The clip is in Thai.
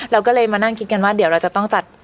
เราก็เลยมานั่งคิดกันว่าเดี๋ยวเราจะต้องจัด